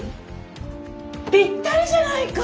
ぴったりじゃないか！